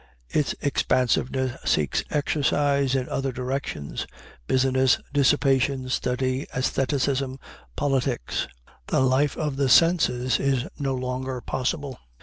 Its expansiveness seeks exercise in other directions business, dissipation, study, æstheticism, politics. The life of the senses is no longer possible.